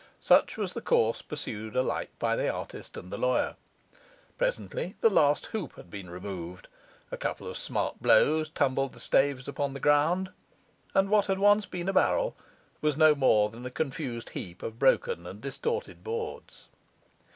Such was the course pursued alike by the artist and the lawyer. Presently the last hoop had been removed a couple of smart blows tumbled the staves upon the ground and what had once been a barrel was no more than a confused heap of broken and distorted boards.